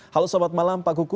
halo selamat malam pak kuku